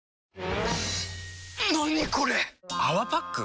何これ⁉「泡パック」？